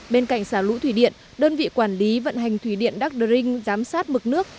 bên cạnh xả lũ thủy điện đơn vị quản lý vận hành thủy điện đắc đơ rinh giám sát mực nước